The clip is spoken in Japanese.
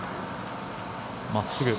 真っすぐ。